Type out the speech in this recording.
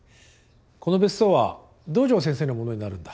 この別荘は堂上先生のものになるんだ。